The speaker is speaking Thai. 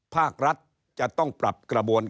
ภาครัฐจะต้องปรับกระบวนการ